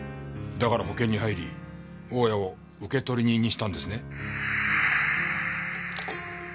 だから保険に入り大家を受取人にしたんですね？